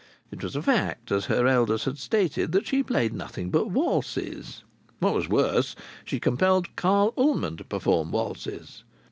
It was a fact, as her elders had stated, that she played nothing but waltzes. What was worse, she compelled Carl Ullman to perform waltzes.